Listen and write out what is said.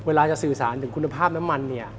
เวลาจะสื่อสารถึงคุณภาพน้ำมันเนี่ย